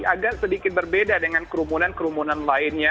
agak sedikit berbeda dengan kerumunan kerumunan lainnya